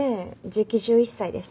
じき１１歳です。